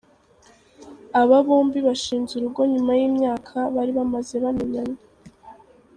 Aba bombi bashinze urugo nyuma y’imyaka bari bamaze bamenyanye.